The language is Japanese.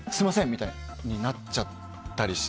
みたいになっちゃったりして。